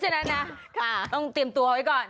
ฉะนั้นนะต้องเตรียมตัวไว้ก่อน